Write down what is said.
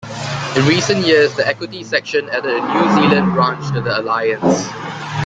In recent years the Equity section added a New Zealand branch to the Alliance.